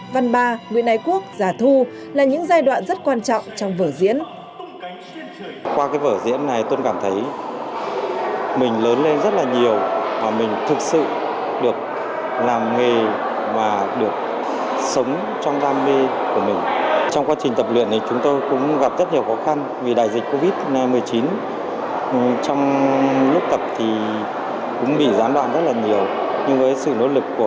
văn ba nguyễn ái quốc già thu là những giai đoạn rất quan trọng trong vở diễn